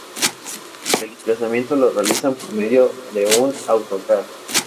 El desplazamiento lo realizan por medio de un autocar.